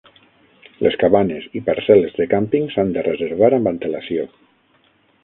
Les cabanes i parcel·les de càmping s'han de reservar amb antelació.